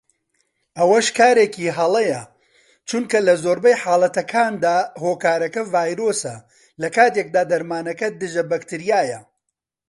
ئەوەش کارێکی هەڵەیە چونکە لە زۆربەی حاڵەتەکاندا هۆکارەکە ڤایرۆسە لەکاتێکدا دەرمانەکە دژە بەکتریایە